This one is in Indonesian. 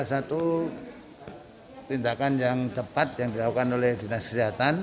satu tindakan yang tepat yang dilakukan oleh dinas kesehatan